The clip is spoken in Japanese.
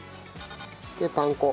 でパン粉。